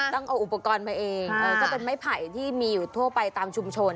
ต้องเอาอุปกรณ์มาเองก็เป็นไม้ไผ่ที่มีอยู่ทั่วไปตามชุมชน